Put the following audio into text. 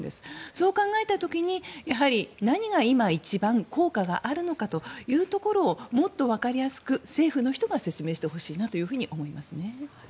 そう考えた時にやはり、何が今一番効果があるのかというところをもっとわかりやすく政府の人が説明してほしいなと思いますね。